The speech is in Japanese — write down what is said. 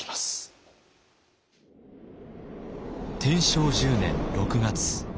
天正１０年６月。